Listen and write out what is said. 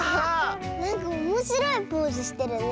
なんかおもしろいポーズしてるね。